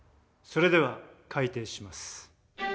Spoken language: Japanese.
それでは開廷します。